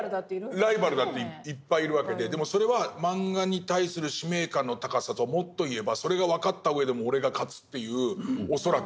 ライバルだっていっぱいいるわけででもそれはマンガに対する使命感の高さともっと言えばそれが分かったうえでも俺が勝つっていう恐らく。